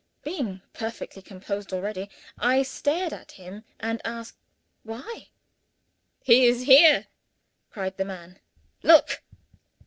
Being perfectly composed already, I stared at him, and asked, "Why?" "He is here!" cried the man. "Look!"